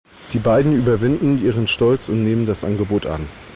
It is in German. Die beiden überwinden ihren Stolz und nehmen das Angebot an.